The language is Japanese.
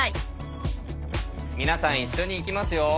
皆さん一緒にいきますよ。